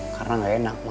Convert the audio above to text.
karena gak enak ma